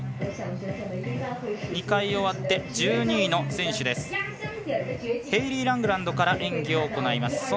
２回終わって１２位の選手ヘイリー・ラングランドから演技を行います。